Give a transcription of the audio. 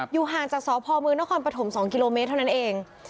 ห่างจากสพมนครปฐม๒กิโลเมตรเท่านั้นเอง